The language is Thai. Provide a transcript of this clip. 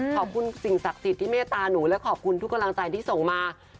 ขอบคุณสิ่งศักดิ์สิทธิ์ที่เมตตาหนูและขอบคุณทุกกำลังใจที่ส่งมา